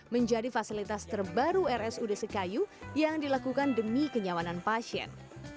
menjadi fasilitas terbaru rs ud sekayu yang dilakukan demi kenyawanan pasien